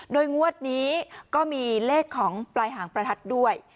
โดยงวดนี้ก็มีเลขของปลายหางประทัดด้วย